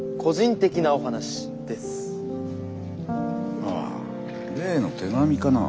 ああ例の手紙かなあ。